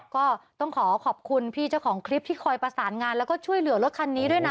ก็ต้องขอขอบคุณพี่เจ้าของคลิปที่คอยประสานงานแล้วก็ช่วยเหลือรถคันนี้ด้วยนะ